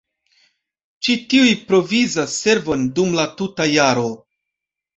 Ĉi tiuj provizas servon dum la tuta jaro.